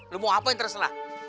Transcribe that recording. lo mau apa yang terserah